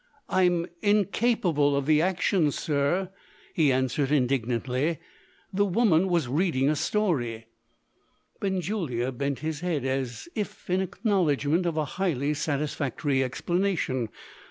"I'm incapable of the action, sir!" he answered indignantly; "the woman was reading a story." Benjulia bent his head, as if in acknowledgment of a highly satisfactory explanation.